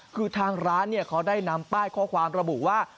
คือทางร้านเขาได้นำป้ายข้อความระบุว่า